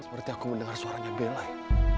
seperti aku mendengar suaranya belai